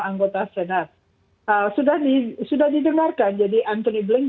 hanya kan voting nya setelah mereka setuju atau tidak setuju di voting nya seluruh ya